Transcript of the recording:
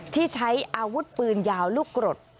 ที่ใช้อาวุธปืนยาวลูกกรด